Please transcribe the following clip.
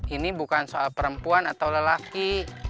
ini bukan soal perempuan atau lelaki